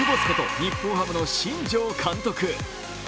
日本ハムの新庄監督。